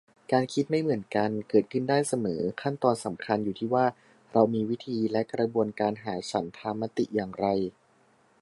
การคิดไม่เหมือนกันเกิดขึ้นได้เสมอ ขั้นตอนสำคัญอยู่ที่ว่า เรามีวิธีและกระบวนการหาฉันทามติอย่างไร